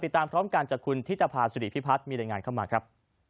ตามพร้อมกันจากคุณธิตภาษิริพิพัฒน์มีรายงานเข้ามาครับ